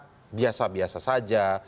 yang terlihat biasa biasa saja